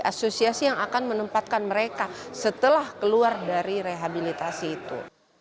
asosiasi yang akan menempatkan mereka setelah keluar dari rehabilitasi itu